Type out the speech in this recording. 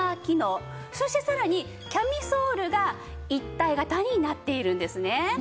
そしてさらにキャミソールが一体型になっているんですね。